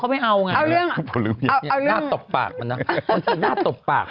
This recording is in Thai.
สบัรบาท